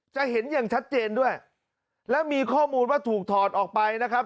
จะเห็นอย่างชัดเจนด้วยและมีข้อมูลว่าถูกถอดออกไปนะครับ